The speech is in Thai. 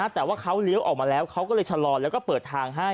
แต่เขาเลี้ยวออกมาแล้วเขาชะลอดแล้วเปิดทางให้